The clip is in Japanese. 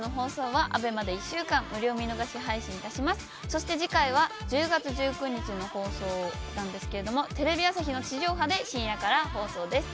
そして次回は１０月１９日の放送なんですけれどもテレビ朝日の地上波で深夜から放送です。